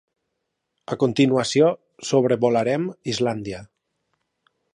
A continuació sobrevolarem Islàndia.